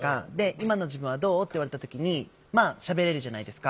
「今の自分はどう？」って言われた時にまあしゃべれるじゃないですか。